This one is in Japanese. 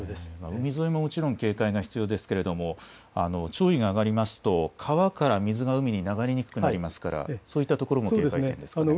海沿いももちろん警戒が必要ですが、潮位が上がると川から水が海に流れにくくなるので、そういったところも警戒点ですかね。